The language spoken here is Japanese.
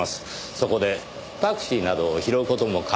そこでタクシーなどを拾う事も可能です。